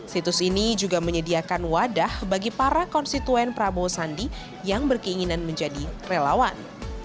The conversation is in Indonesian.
situs ini juga menyediakan wadah bagi para konstituen prabowo sandi yang berkeinginan menjadi relawan